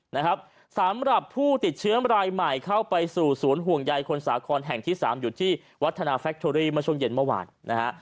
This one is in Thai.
นะครับสำหรับผู้ติดเชื้อรายใหม่เข้าไปสู่ศูนย์ห่วงใยคนสาครแห่งที่สามอยู่ที่วัฒนาแฟคเทอรี่เมื่อช่วงเย็นเมื่อวานนะฮะ